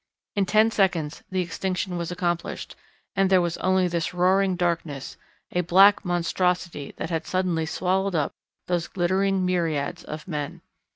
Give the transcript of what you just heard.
In ten seconds the extinction was accomplished, and there was only this roaring darkness, a black monstrosity that had suddenly swallowed up those glittering myriads of men.